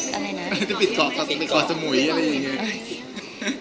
ทางที่ปิดก่อปิดกอดสมุยอะไรอย่างเงี่ย